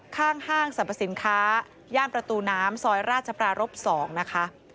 ข้างห้างสรรพสินค้าย่านประตูน้ำซอยราชภรรพสองนะคะ